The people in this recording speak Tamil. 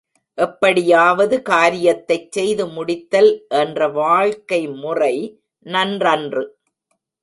எப்படியாவது காரியத்தைச் செய்து முடித்தல் என்ற வாழ்க்கை முறை, நன்றன்று.